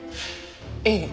ええ。